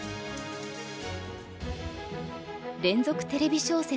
連続テレビ小説